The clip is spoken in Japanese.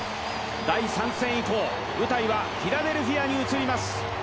第３戦以降、舞台はフィラデルフィアに移ります。